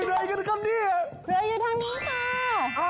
เรืออยู่ทางนู้นค่ะ